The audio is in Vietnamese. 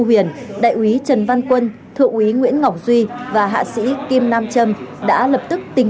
huyền đại úy trần văn quân thượng úy nguyễn ngọc duy và hạ sĩ kim nam trâm đã lập tức tình